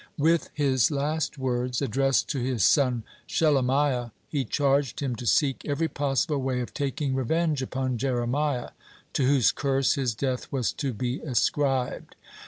With his last words, addressed to his son Shelemiah, he charged him to seek every possible way of taking revenge upon Jeremiah, to whose curse his death was to be ascribed.